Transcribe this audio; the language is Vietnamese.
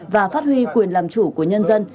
và phát huy quyền làm chủ của nhân dân